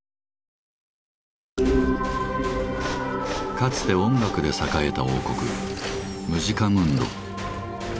かつて音楽で栄えた王国「ムジカムンド」。